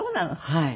はい。